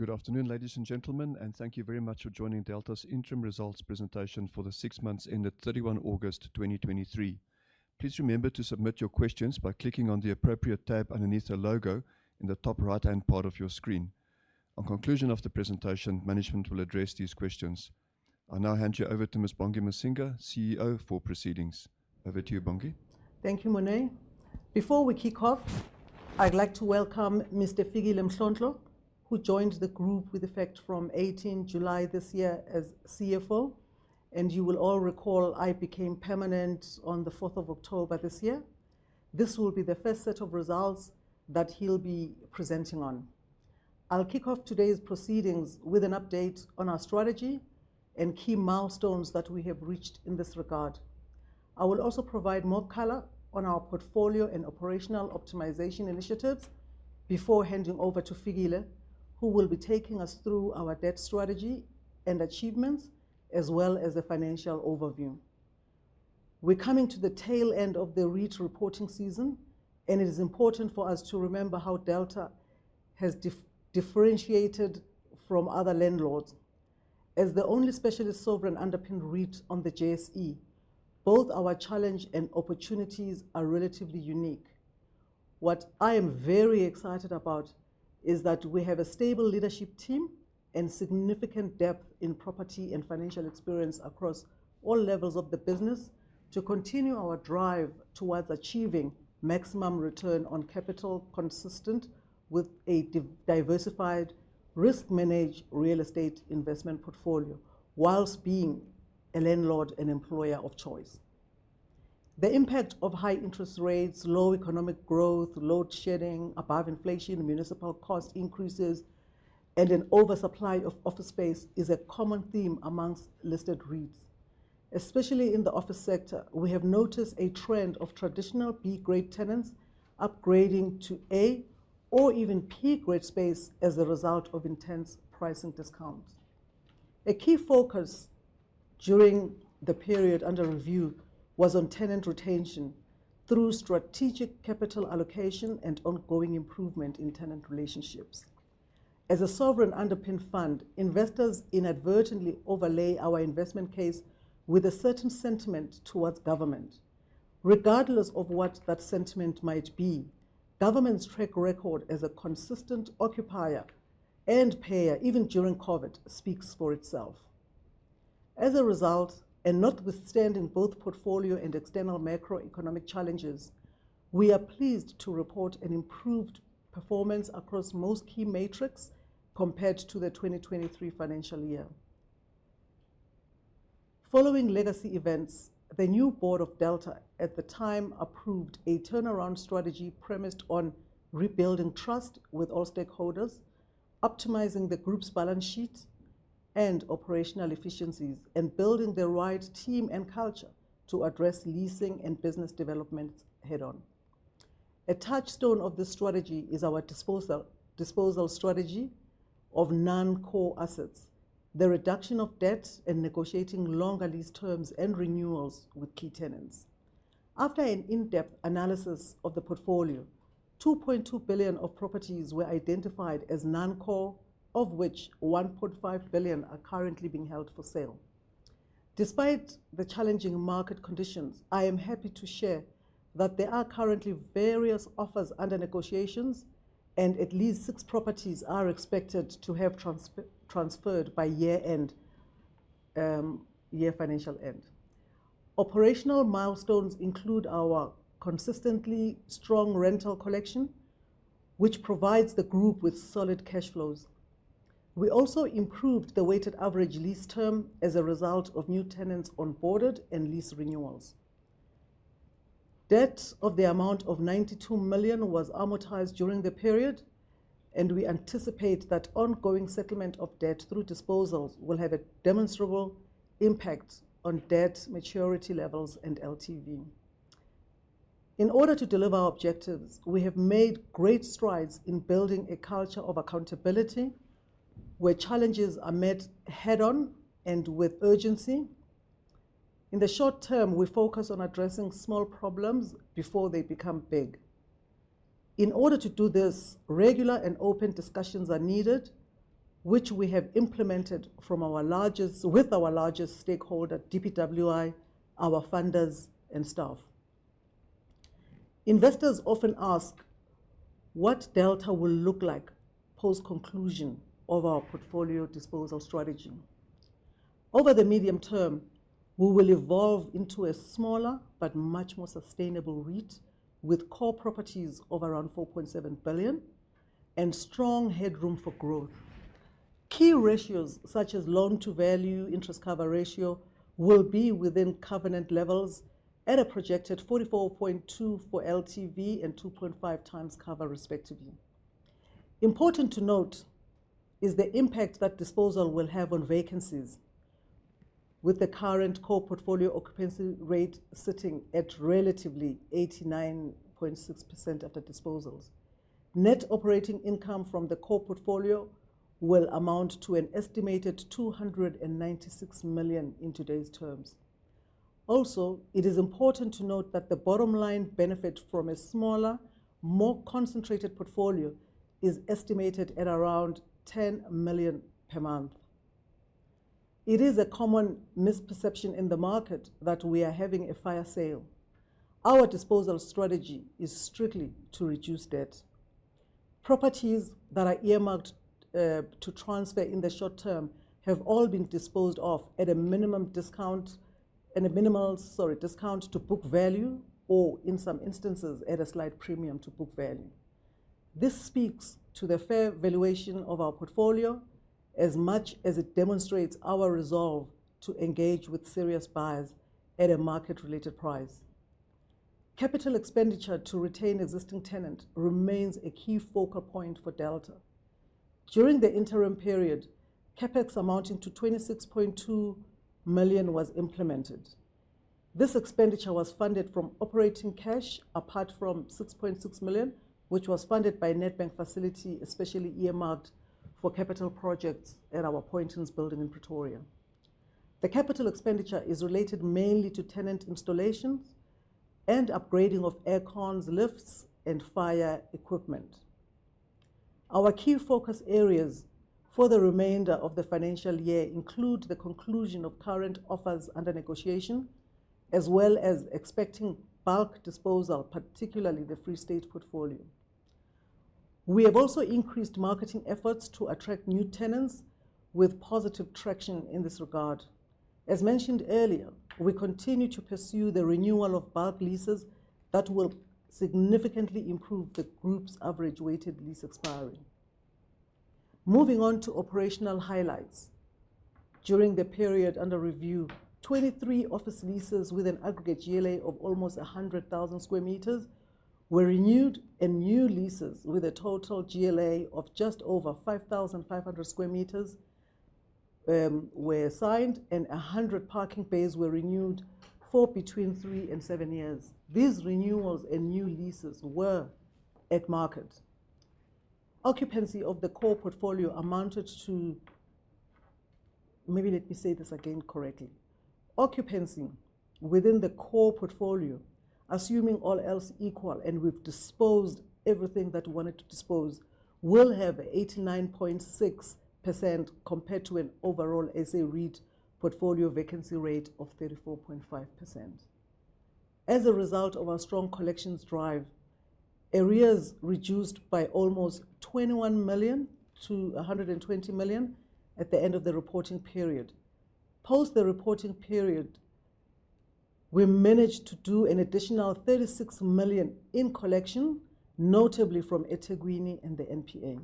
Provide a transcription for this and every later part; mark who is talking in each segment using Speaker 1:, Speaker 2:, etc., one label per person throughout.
Speaker 1: Good afternoon, ladies and gentlemen, and thank you very much for joining Delta's interim results presentation for the six months ended 31 August 2023. Please remember to submit your questions by clicking on the appropriate tab underneath the logo in the top right-hand part of your screen. On conclusion of the presentation, management will address these questions. I'll now hand you over to Ms. Bongi Masinga, CEO, for proceedings. Over to you, Bongi.
Speaker 2: Thank you, Morné. Before we kick off, I'd like to welcome Mr. Fikile Mhlontlo, who joined the group with effect from 18 July this year as CFO, and you will all recall I became permanent on the 4th of October this year. This will be the first set of results that he'll be presenting on. I'll kick off today's proceedings with an update on our strategy and key milestones that we have reached in this regard. I will also provide more color on our portfolio and operational optimization initiatives before handing over to Fikile, who will be taking us through our debt strategy and achievements, as well as a financial overview. We're coming to the tail end of the REIT reporting season, and it is important for us to remember how Delta has differentiated from other landlords. As the only specialist sovereign-underpinned REIT on the JSE, both our challenge and opportunities are relatively unique. What I am very excited about is that we have a stable leadership team and significant depth in property and financial experience across all levels of the business to continue our drive towards achieving maximum return on capital, consistent with a diversified, risk-managed real estate investment portfolio, while being a landlord and employer of choice. The impact of high interest rates, low economic growth, load shedding, above-inflation municipal cost increases, and an oversupply of office space is a common theme amongst listed REITs. Especially in the office sector, we have noticed a trend of traditional B-grade tenants upgrading to A or even P-grade space as a result of intense pricing discounts. A key focus during the period under review was on tenant retention through strategic capital allocation and ongoing improvement in tenant relationships. As a sovereign underpinned fund, investors inadvertently overlay our investment case with a certain sentiment towards government. Regardless of what that sentiment might be, government's track record as a consistent occupier and payer, even during COVID, speaks for itself. As a result, and notwithstanding both portfolio and external macroeconomic challenges, we are pleased to report an improved performance across most key metrics compared to the 2023 financial year. Following legacy events, the new board of Delta at the time approved a turnaround strategy premised on rebuilding trust with all stakeholders, optimizing the group's balance sheet and operational efficiencies, and building the right team and culture to address leasing and business development head-on. A touchstone of this strategy is our disposal strategy of non-core assets, the reduction of debt, and negotiating longer lease terms and renewals with key tenants. After an in-depth analysis of the portfolio, 2.2 billion of properties were identified as non-core, of which 1.5 billion are currently being held for sale. Despite the challenging market conditions, I am happy to share that there are currently various offers under negotiations, and at least six properties are expected to have transferred by financial year-end. Operational milestones include our consistently strong rental collection, which provides the group with solid cash flows. We also improved the weighted average lease term as a result of new tenants onboarded and lease renewals. Debt of the amount of 92 million was amortized during the period, and we anticipate that ongoing settlement of debt through disposals will have a demonstrable impact on debt maturity levels and LTV. In order to deliver our objectives, we have made great strides in building a culture of accountability, where challenges are met head-on and with urgency. In the short term, we focus on addressing small problems before they become big. In order to do this, regular and open discussions are needed, which we have implemented with our largest stakeholder, DPWI, our funders, and staff. Investors often ask what Delta will look like post-conclusion of our portfolio disposal strategy. Over the medium term, we will evolve into a smaller but much more sustainable REIT, with core properties of around 4.7 billion and strong headroom for growth. Key ratios such as loan-to-value, interest cover ratio, will be within covenant levels at a projected 44.2 for LTV and 2.5x cover, respectively. Important to note is the impact that disposal will have on vacancies. With the current core portfolio occupancy rate sitting at relatively 89.6% after disposals. Net operating income from the core portfolio will amount to an estimated 296 million in today's terms. Also, it is important to note that the bottom line benefit from a smaller, more concentrated portfolio is estimated at around 10 million per month. It is a common misperception in the market that we are having a fire sale. Our disposal strategy is strictly to reduce debt. Properties that are earmarked to transfer in the short term have all been disposed of at a minimum discount and a minimal discount to book value, or in some instances, at a slight premium to book value. This speaks to the fair valuation of our portfolio as much as it demonstrates our resolve to engage with serious buyers at a market-related price. Capital expenditure to retain existing tenant remains a key focal point for Delta. During the interim period, CapEx amounting to 26.2 million was implemented. This expenditure was funded from operating cash, apart from 6.6 million, which was funded by a Nedbank facility, especially earmarked for capital projects at our Poyntons Building in Pretoria. The capital expenditure is related mainly to tenant installations and upgrading of air cons, lifts, and fire equipment. Our key focus areas for the remainder of the financial year include the conclusion of current offers under negotiation, as well as expecting bulk disposal, particularly the Free State portfolio. We have also increased marketing efforts to attract new tenants with positive traction in this regard. As mentioned earlier, we continue to pursue the renewal of bulk leases that will significantly improve the group's average weighted lease expiry. Moving on to operational highlights. During the period under review, 23 office leases with an aggregate GLA of almost 100,000 m² were renewed, and new leases with a total GLA of just over 5,500 m² were signed, and 100 parking bays were renewed for between three and seven years. These renewals and new leases were at market. Occupancy of the core portfolio amounted to... Occupancy within the core portfolio, assuming all else equal, and we've disposed everything that we wanted to dispose, will have 89.6%, compared to an overall SA REIT portfolio vacancy rate of 34.5%. As a result of our strong collections drive, arrears reduced by almost 21 million to 120 million at the end of the reporting period. Post the reporting period, we managed to do an additional 36 million in collection, notably from eThekwini and the NPA.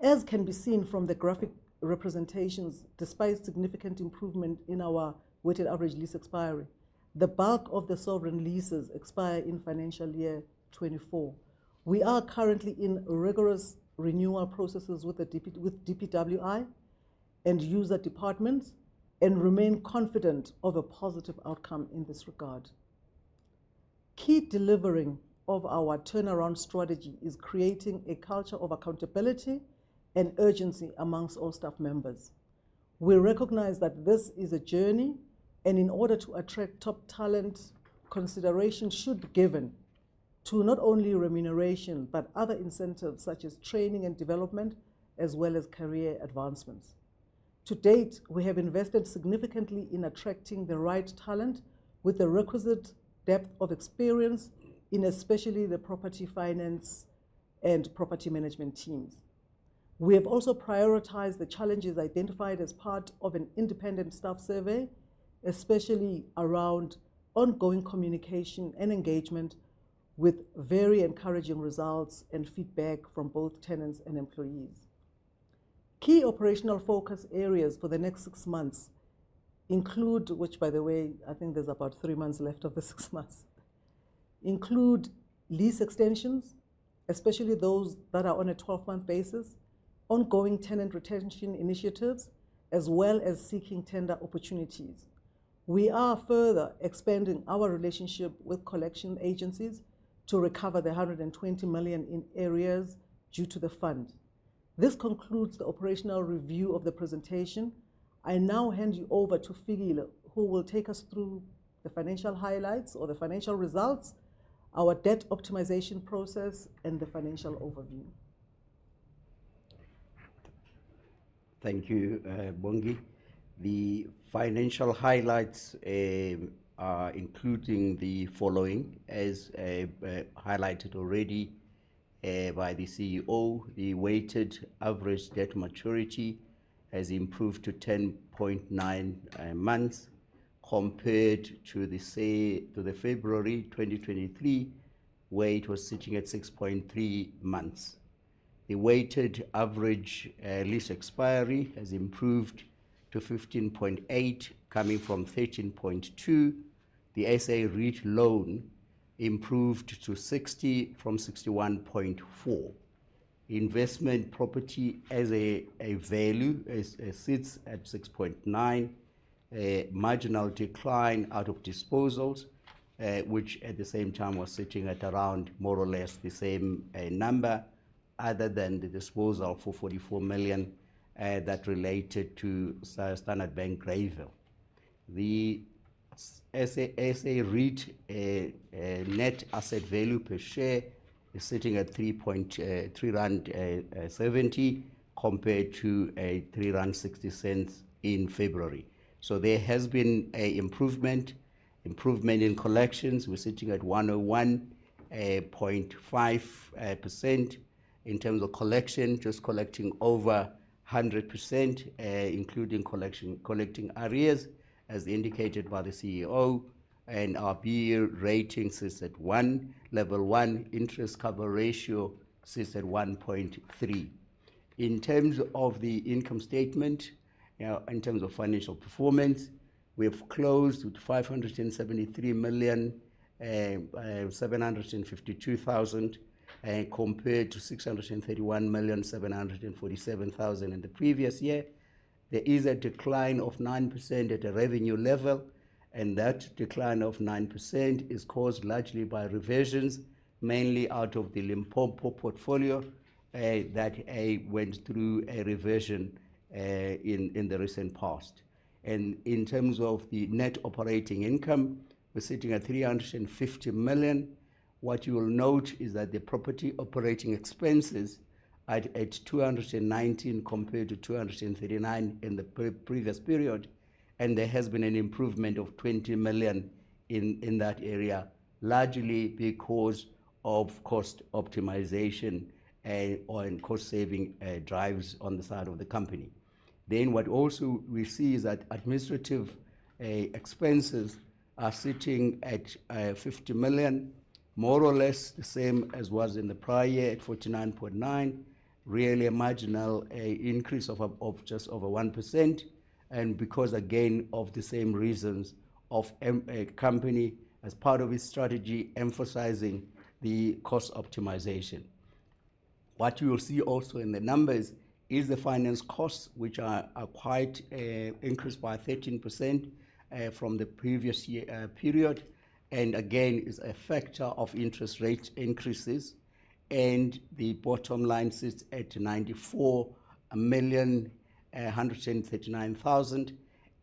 Speaker 2: As can be seen from the graphic representations, despite significant improvement in our weighted average lease expiry, the bulk of the sovereign leases expire in financial year 2024. We are currently in rigorous renewal processes with DPWI and user departments, and remain confident of a positive outcome in this regard. Key delivering of our turnaround strategy is creating a culture of accountability and urgency among all staff members. We recognize that this is a journey, and in order to attract top talent, consideration should be given to not only remuneration, but other incentives such as training and development, as well as career advancements. To date, we have invested significantly in attracting the right talent with the requisite depth of experience in especially the property finance and property management teams. We have also prioritized the challenges identified as part of an independent staff survey, especially around ongoing communication and engagement, with very encouraging results and feedback from both tenants and employees. Key operational focus areas for the next six months include, which, by the way, I think there's about three months left of the six months, include lease extensions, especially those that are on a 12-month basis, ongoing tenant retention initiatives, as well as seeking tender opportunities. We are further expanding our relationship with collection agencies to recover the 120 million in arrears due to the fund. This concludes the operational review of the presentation. I now hand you over to Fikile, who will take us through the financial highlights or the financial results, our debt optimization process, and the financial overview.
Speaker 3: Thank you, Bongi. The financial highlights are including the following: as highlighted already by the CEO, the weighted average debt maturity has improved to 10.9 months, compared to February 2023, where it was sitting at 6.3 months. The weighted average lease expiry has improved to 15.8, coming from 13.2. The SA REIT LTV improved to 60 from 61.4. Investment property as a value sits at 6.9 billion, a marginal decline out of disposals, which at the same time was sitting at around more or less the same number other than the disposal for 44 million that related to Standard Bank Greyville. The SA REIT net asset value per share is sitting at 3.70 rand compared to 3.60 rand in February. So there has been an improvement in collections. We're sitting at 101.5% in terms of collection, just collecting over 100%, including collecting arrears, as indicated by the CEO, and our B-BBEE rating sits at level one. Interest Cover Ratio sits at 1.3. In terms of the income statement, in terms of financial performance, we have closed with 573.752 million compared to 631.747 million in the previous year. There is a decline of 9% at a revenue level, and that decline of 9% is caused largely by reversions, mainly out of the Limpopo portfolio, that went through a reversion in the recent past. And in terms of the net operating income, we're sitting at 350 million. What you will note is that the property operating expenses are at 219 million compared to 239 million in the pre-previous period, and there has been an improvement of 20 million in that area, largely because of cost optimization or in cost-saving drives on the side of the company. Then what also we see is that administrative expenses are sitting at 50 million, more or less the same as was in the prior year at 49.9 million. Really a marginal increase of just over 1%, and because again, of the same reasons of company as part of its strategy, emphasizing the cost optimization. What you will see also in the numbers is the finance costs, which are quite increased by 13% from the previous year period, and again, is a factor of interest rate increases, and the bottom line sits at 94,139,000.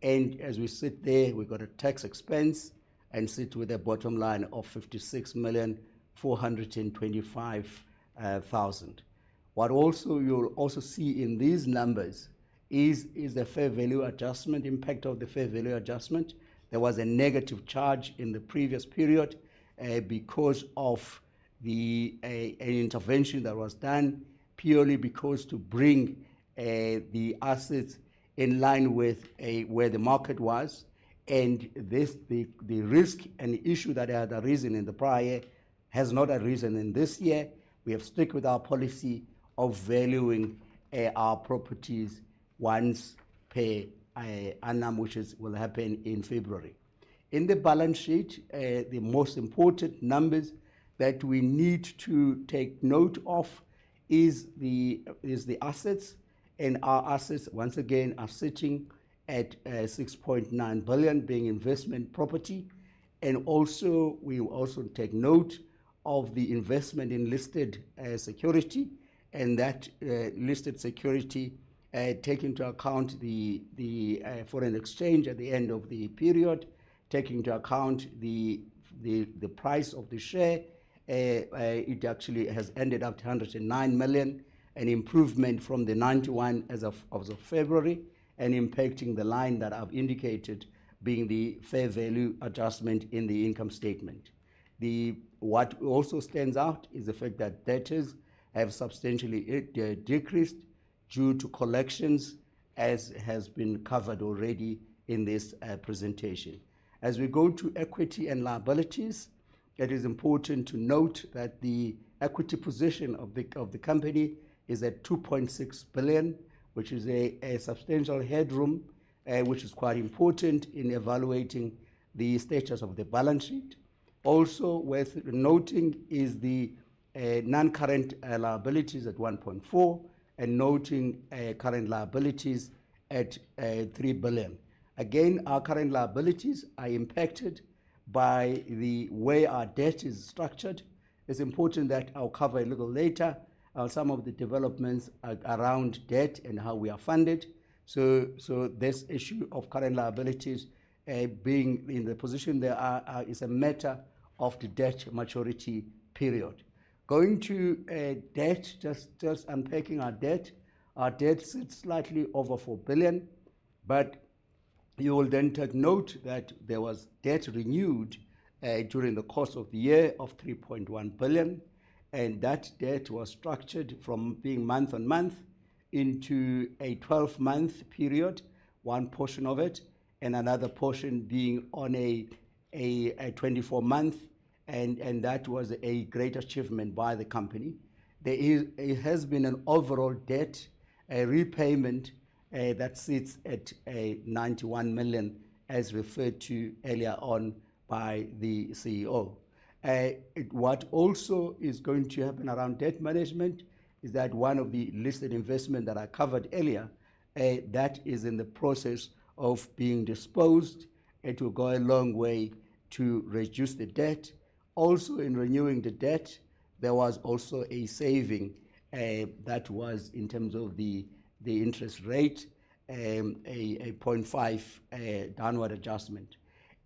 Speaker 3: And as we sit there, we've got a tax expense and sit with a bottom line of 56,425,000. What also you'll also see in these numbers is the fair value adjustment, impact of the fair value adjustment. There was a negative charge in the previous period, because of the intervention that was done purely because to bring the assets in line with where the market was. And this, the risk and the issue that had arisen in the prior year has not arisen in this year. We have stuck with our policy of valuing our properties once per annum, which will happen in February. In the balance sheet, the most important numbers that we need to take note of is the assets, and our assets once again, are sitting at 6.9 billion, being investment property. And also, we will also take note of the investment in listed security, and that listed security take into account the foreign exchange at the end of the period, taking into account the price of the share. It actually has ended up to 109 million, an improvement from the 91 million as of February, and impacting the line that I've indicated being the fair value adjustment in the income statement. What also stands out is the fact that debtors have substantially decreased due to collections, as has been covered already in this presentation. As we go to equity and liabilities, it is important to note that the equity position of the company is at 2.6 billion, which is a substantial headroom, which is quite important in evaluating the status of the balance sheet. Also worth noting is the non-current liabilities at 1.4 billion, and current liabilities at 3 billion. Again, our current liabilities are impacted by the way our debt is structured. It's important that I'll cover a little later some of the developments around debt and how we are funded. So this issue of current liabilities being in the position they are is a matter of the debt maturity period. Going to debt, just unpacking our debt. Our debt sits slightly over 4 billion, but you will then take note that there was debt renewed during the course of the year of 3.1 billion, and that debt was structured from being month on month into a 12-month period, one portion of it, and another portion being on a 24-month. And that was a great achievement by the company. There has been an overall debt repayment that sits at 91 million, as referred to earlier on by the CEO. What also is going to happen around debt management is that one of the listed investment that I covered earlier that is in the process of being disposed. It will go a long way to reduce the debt. Also, in renewing the debt-... There was also a saving that was in terms of the interest rate, a 0.5 downward adjustment.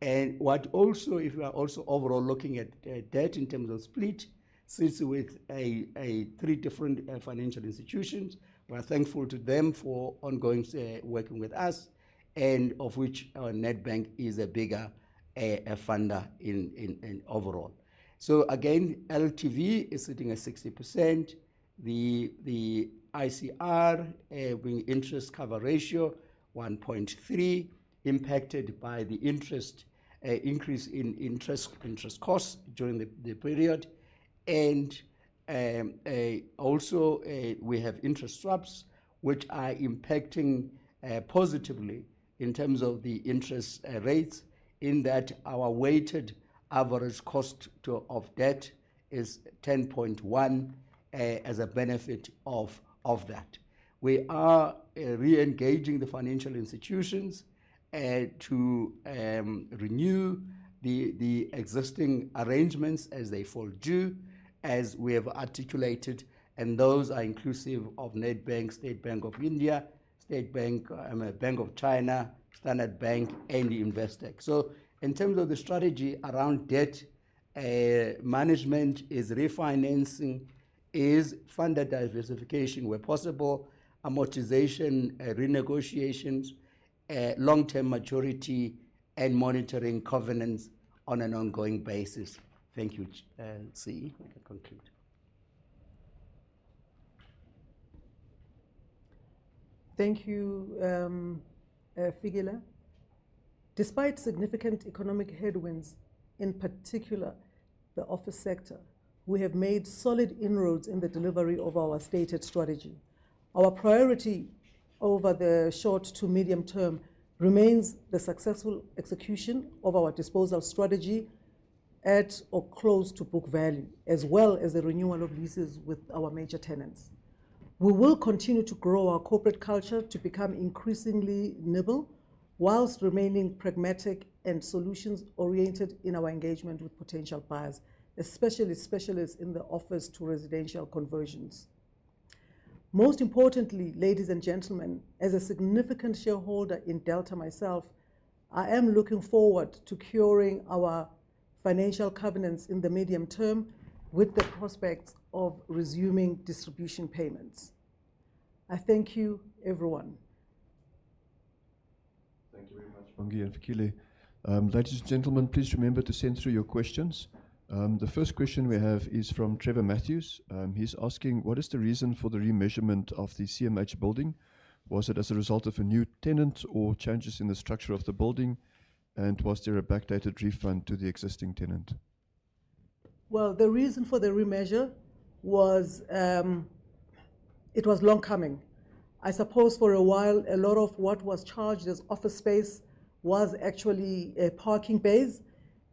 Speaker 3: And what also, if you are also overall looking at debt in terms of split, sits with three different financial institutions. We're thankful to them for ongoing, say, working with us, and of which our Nedbank is a bigger funder in overall. So again, LTV is sitting at 60%. The ICR, being Interest Cover Ratio, 1.3, impacted by the interest increase in interest costs during the period. And also, we have interest swaps, which are impacting positively in terms of the interest rates, in that our weighted average cost of debt is 10.1%, as a benefit of that. We are re-engaging the financial institutions to renew the existing arrangements as they fall due, as we have articulated, and those are inclusive of Nedbank, State Bank of India, Bank of China, Standard Bank, and Investec. So in terms of the strategy around debt management is refinancing, is funder diversification where possible, amortization, renegotiations, long-term maturity and monitoring covenants on an ongoing basis. Thank you. And CEO, you can conclude.
Speaker 2: Thank you, Fikile. Despite significant economic headwinds, in particular the office sector, we have made solid inroads in the delivery of our stated strategy. Our priority over the short to medium term remains the successful execution of our disposal strategy at or close to book value, as well as the renewal of leases with our major tenants. We will continue to grow our corporate culture to become increasingly nimble, while remaining pragmatic and solutions-oriented in our engagement with potential buyers, especially specialists in the office-to-residential conversions. Most importantly, ladies and gentlemen, as a significant shareholder in Delta myself, I am looking forward to curing our financial covenants in the medium term with the prospect of resuming distribution payments. I thank you, everyone.
Speaker 1: Thank you very much, Bongi and Fikile. Ladies and gentlemen, please remember to send through your questions. The first question we have is from Trevor Matthews. He's asking: What is the reason for the remeasurement of the CMH building? Was it as a result of a new tenant or changes in the structure of the building? And was there a backdated refund to the existing tenant?
Speaker 2: Well, the reason for the remeasure was, it was long coming. I suppose for a while, a lot of what was charged as office space was actually, parking bays,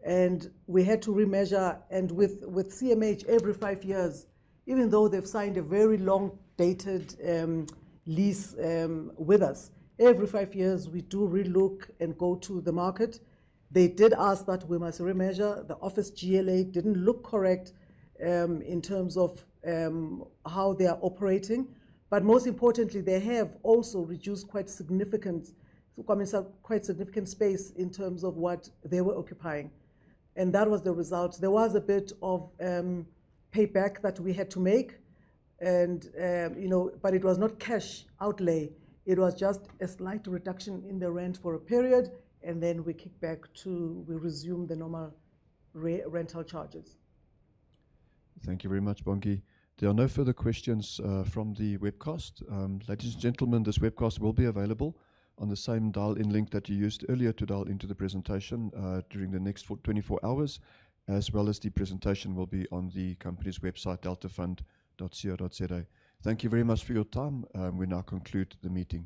Speaker 2: and we had to remeasure. And with CMH, every five years, even though they've signed a very long-dated lease with us, every five years, we do relook and go to the market. They did ask that we must remeasure. The office GLA didn't look correct in terms of how they are operating, but most importantly, they have also reduced quite significant space in terms of what they were occupying. And that was the result. There was a bit of payback that we had to make, and you know, but it was not cash outlay. It was just a slight reduction in the rent for a period, and then we kick back to... We resume the normal re-rental charges.
Speaker 1: Thank you very much, Bongi. There are no further questions from the webcast. Ladies and gentlemen, this webcast will be available on the same dial-in link that you used earlier to dial into the presentation during the next 24 hours, as well as the presentation will be on the company's website, deltafund.co.za. Thank you very much for your time. We now conclude the meeting.